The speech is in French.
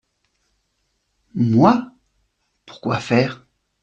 Moi ? pour quoi faire ?